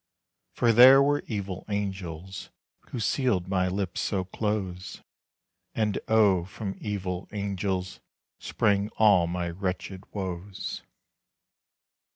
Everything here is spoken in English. For there were evil angels Who sealed my lips so close. And oh! from evil angels Sprang all my wretched woes.